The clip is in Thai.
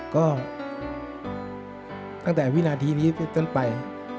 ก็ตั้งแต่วินาทีนี้ตั้งไป